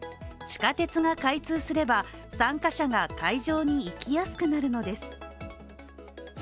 地下鉄が開通すれば参加者が会場に行きやすくなるのです。